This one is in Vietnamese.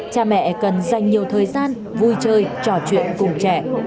cha mẹ cần dành nhiều thời gian vui chơi trò chuyện cùng trẻ